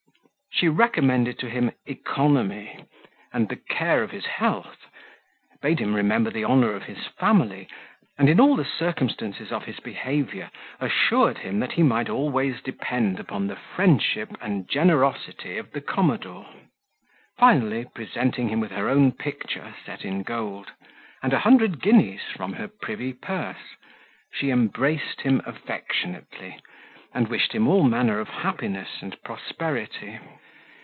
She recommended to him economy, and the care of his health, bade him remember the honour of his family, and in all the circumstances of his behaviour, assured him that he might always depend upon the friendship and generosity of the commodore. Finally, presenting him with her own picture set in gold, and a hundred guineas from her privy purse, she embraced him affectionately, and wished him all manner of happiness and prosperity.